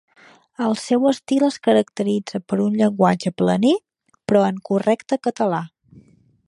El seu estil es caracteritza per un llenguatge planer, però en correcte català.